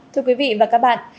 thưa quý vị và các bạn